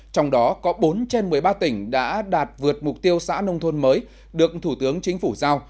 trong đó có bốn trên một mươi ba tỉnh đã đạt vượt mục tiêu xã nông thôn mới được thủ tướng chính phủ giao